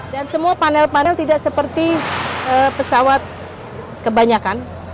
dan semua panel panel tidak seperti pesawat kebanyakan